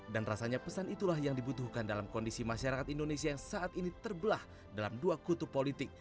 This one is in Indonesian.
dan rasanya pesan itulah yang dibutuhkan dalam kondisi masyarakat indonesia yang saat ini terbelah dalam dua kutub politik